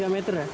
tiga meter ya